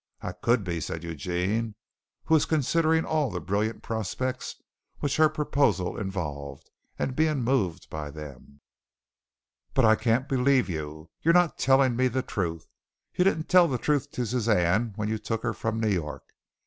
"I could be," said Eugene, who was considering all the brilliant prospects which her proposal involved and being moved by them, "but I can't believe you. You're not telling me the truth. You didn't tell the truth to Suzanne when you took her from New York.